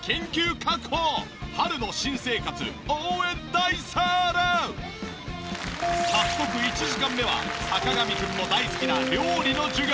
今回は早速１時間目は坂上くんも大好きな料理の授業。